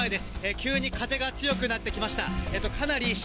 急に風が強くなってきました。